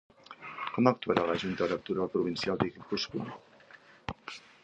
Com actuarà la Junta Electoral Provincial de Guipúscoa?